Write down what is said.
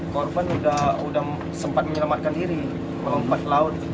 korban udah sempat menyelamatkan diri melompat ke laut